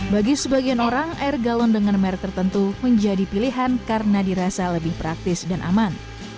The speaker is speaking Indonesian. bagi sebagian orang air galon dengan merek tertentu menjadi pilihan karena dirasa lebih praktis dan aman